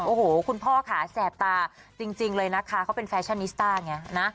โอ้โหคุณพ่อค่ะแสบตาจริงเลยนะคะเขาเป็นแฟชั่นนิสต้าไงนะ